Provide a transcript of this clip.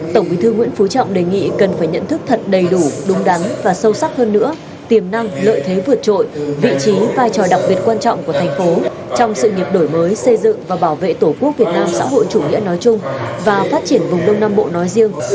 tổng bí thư nguyễn phú trọng đề nghị cần phải nhận thức thật đầy đủ đúng đắn và sâu sắc hơn nữa tiềm năng lợi thế vượt trội vị trí vai trò đặc biệt quan trọng của thành phố trong sự nghiệp đổi mới xây dựng và bảo vệ tổ quốc việt nam xã hội chủ nghĩa nói chung và phát triển vùng đông nam bộ nói riêng